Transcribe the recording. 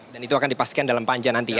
dan itu akan dipastikan dalam panja nanti ya